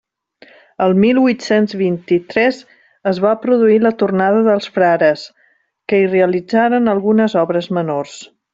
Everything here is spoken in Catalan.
El mil huit-cents vint-i-tres es va produir la tornada dels frares, que hi realitzaren algunes obres menors.